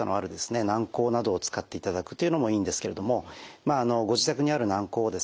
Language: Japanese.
軟こうなどを使っていただくというのもいいんですけれどもご自宅にある軟こうをですね